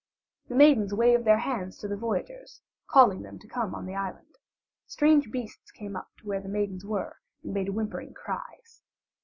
The maidens waved their hands to the voyagers, calling them to come on the island. Strange beasts came up to where the maidens were and made whimpering cries.